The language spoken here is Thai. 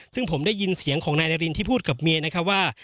ซึ่งผมได้ยินเสียงของนายนารินที่พูดกับเมียนะครับว่า